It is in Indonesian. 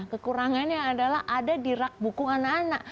kekurangannya adalah ada di rak buku anak anak